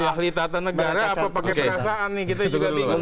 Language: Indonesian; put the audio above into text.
ahli tata negara apa pakai perasaan nih kita juga bingung